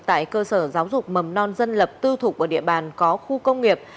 tại cơ sở giáo dục mầm non dân lập tư thục ở địa bàn có khu công nghiệp